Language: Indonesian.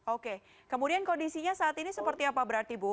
oke kemudian kondisinya saat ini seperti apa berarti ibu